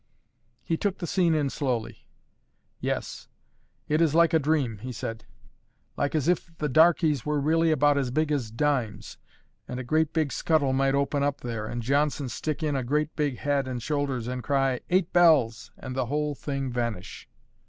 He took the scene in slowly. "Yes, it is like a dream," he said: "like as if the darkies were really about as big as dimes; and a great big scuttle might open up there, and Johnson stick in a great big head and shoulders, and cry, 'Eight bells!' and the whole thing vanish."